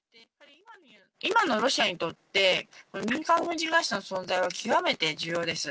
今のロシアにとって、民間軍事会社の存在は極めて重要です。